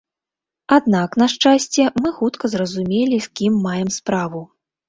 Аднак, на шчасце, мы хутка зразумелі, з кім маем справу.